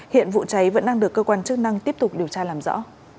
hiện vụ cháy vẫn đang được cơ quan chức năng tiếp tục điều tra làm rõ